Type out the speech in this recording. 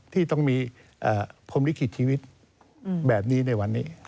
ที่ต้องมีพรมลิขิตชีวิตแบบนี้ในวันนี้